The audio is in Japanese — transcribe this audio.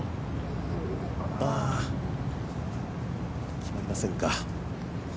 決まりませんか。